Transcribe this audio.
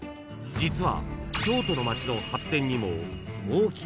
［実は］